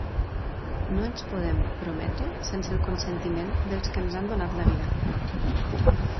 No ens podem prometre sense el consentiment dels que ens han donat la vida;